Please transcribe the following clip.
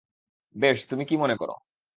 বেশ, তুমি কি মনে করো?